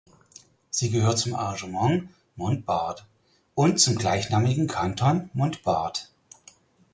Sie gehört zum Arrondissement Montbard und zum gleichnamigen Kanton Montbard.